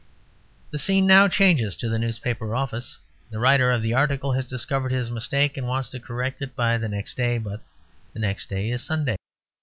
The scene now changes to the newspaper office. The writer of the article has discovered his mistake and wants to correct it by the next day: but the next day is Sunday.